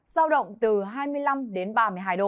giao động từ hai mươi năm đến ba mươi hai độ